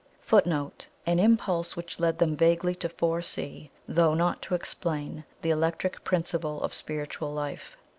[Footnote: An impulse which led them vaguely to foresee, though, not to explain, the electric principle of spiritual life.